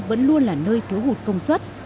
vẫn luôn là nơi thiếu hụt công suất